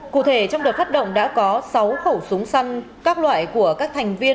cụ thể trong đợt phát động đã có sáu khẩu súng săn các loại của các thành viên